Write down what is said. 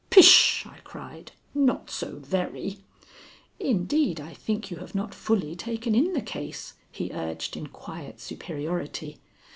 "Pish!" I cried. "Not so very!" "Indeed, I think you have not fully taken in the case," he urged in quiet superiority.